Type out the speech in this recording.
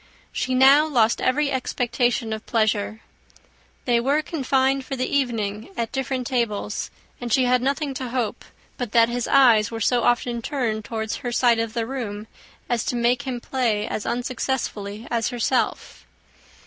She now lost every expectation of pleasure. They were confined for the evening at different tables; and she had nothing to hope, but that his eyes were so often turned towards her side of the room, as to make him play as unsuccessfully as herself.